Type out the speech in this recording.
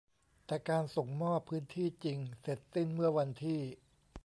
แต่การส่งมอบพื้นที่จริงเสร็จสิ้นเมื่อวันที่